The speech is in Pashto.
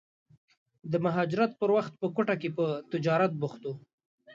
د مهاجرت پر وخت په کوټه کې په تجارت بوخت و.